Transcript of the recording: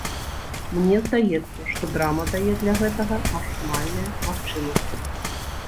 Мне здаецца, што драма дае для гэтага максімальныя магчымасці.